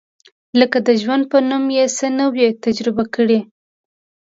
لکه د ژوند په نوم یې څه نه وي تجربه کړي.